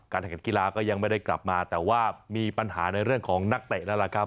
แข่งขันกีฬาก็ยังไม่ได้กลับมาแต่ว่ามีปัญหาในเรื่องของนักเตะแล้วล่ะครับ